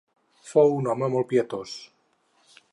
Fou un home molt pietós.